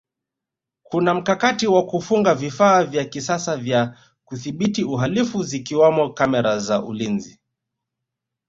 kuna mkakati wa kufunga vifaa vya kisasa vya kudhibiti uhalifu zikiwamo kamera za ulinzi